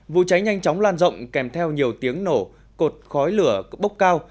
vụ cháy nhanh chóng lan rộng kèm theo nhiều tiếng nổ cột khói lửa bốc cao